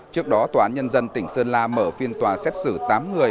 trước đó tòa án nhân dân tỉnh sơn la mở phiên tòa xét xử tám người